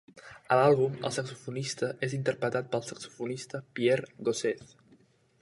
A l'àlbum, el saxofonista és interpretat pel saxofonista Pierre Gossez.